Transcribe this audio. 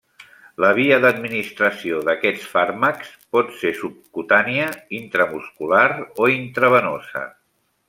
La via d'administració d'aquests fàrmacs pot ser subcutània, intramuscular o intravenosa.